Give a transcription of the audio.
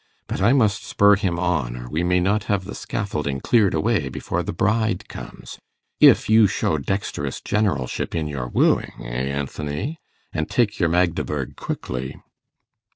But I must spur him on, or we may not have the scaffolding cleared away before the bride comes, if you show dexterous generalship in your wooing, eh, Anthony? and take your Magdeburg quickly.